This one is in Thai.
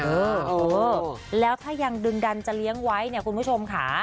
เออแล้วถ้ายังดึงดันจะเลี้ยงไว้เนี่ยคุณผู้ชมค่ะ